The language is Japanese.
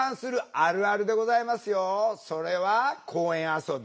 それは公園遊び。